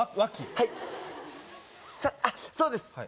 はいサッあっそうです